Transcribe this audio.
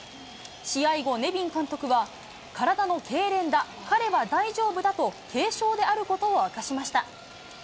試合後、ネビン監督は、体のけいれんだ、彼は大丈夫だと、軽症であることを明かしました。